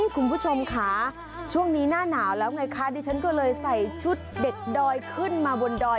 คุณผู้ชมค่ะช่วงนี้หน้าหนาวแล้วไงคะดิฉันก็เลยใส่ชุดเด็กดอยขึ้นมาบนดอย